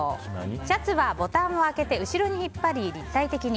シャツはボタンを開けて後ろに引っ張り、立体的に。